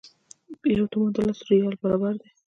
یو تومان د لسو ریالو برابر دی.